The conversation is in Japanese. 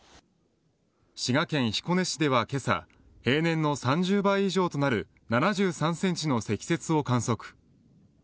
滋賀県彦根市では今朝平年の３０倍以上となる７３センチの積雪を観測。